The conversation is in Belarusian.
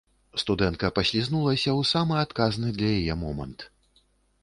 Студэнтка паслізнулася ў самы адказны для яе момант.